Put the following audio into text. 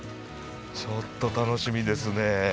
ちょっと楽しみですね。